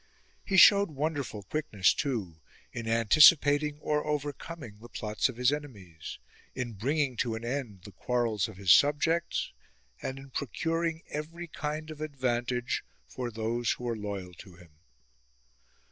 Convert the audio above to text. He showed wonderful quickness too in anticipating or over coming the plots of his enemies, in bringing to an end the quarrels of his subjects, and in procuring every kind of advantage for those who were loyal to him.